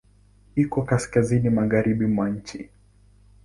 Iko kaskazini magharibi mwa nchi.